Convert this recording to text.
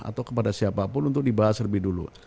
atau kepada siapapun untuk dibahas lebih dulu